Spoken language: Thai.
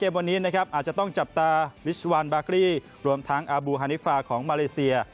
วิชวัลบากรีรวมทั้งอาบูฮานิฟาของมาเลเซีย